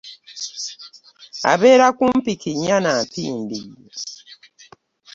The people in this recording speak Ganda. Abeera kumpi kinnya na mpindi.